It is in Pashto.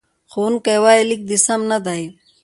ښوونکی وایي، لیک دې سم نه دی.